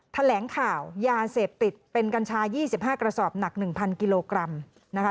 แถลงข่าวยาเสพติดเป็นกัญชา๒๕กระสอบหนัก๑๐๐กิโลกรัมนะคะ